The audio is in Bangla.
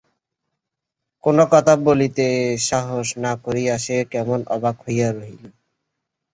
কোনো কথা বলিতে সাহস না করিয়া সে কেমন অবাক হইয়া রহিল।